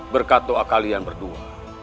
berkat doa kalian berdua